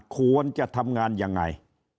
ควรจะทำงานยังไง